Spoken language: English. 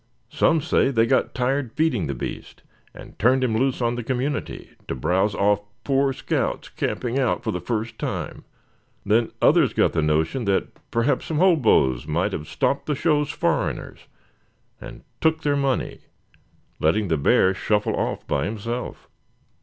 Some say they got tired feeding the beast, and turned him loose on the community, to browse off poor scouts, camping out for the first time. Then others got the notion that p'raps some hobos might have stopped the show foreigners, and took their money, letting the bear shuffle off by himself."